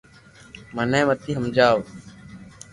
مني متي ھمجاو